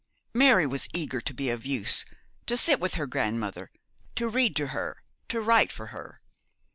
Mary was eager to be of use, to sit with her grandmother, to read to her, to write for her.